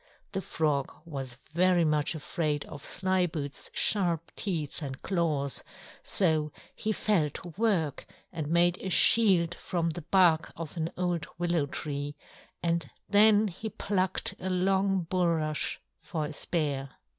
The Frog was very much afraid of Slyboots's sharp teeth and claws, so he fell to work and made a shield from the bark of an old willow tree, and then he plucked a long bulrush for a spear.